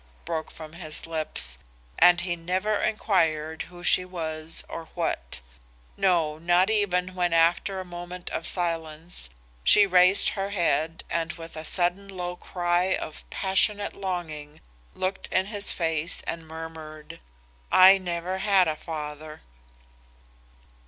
broke from his lips, and he never inquired who she was or what; no, not even when after a moment of silence she raised her head and with a sudden low cry of passionate longing looked in his face and murmured, "'I never had a father.